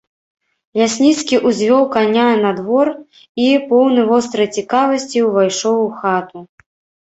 Лясніцкі ўзвёў каня на двор і, поўны вострай цікавасці, увайшоў у хату.